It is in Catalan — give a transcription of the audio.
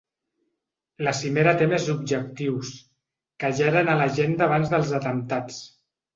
La cimera té més objectius, que ja eren a l’agenda abans dels atemptats.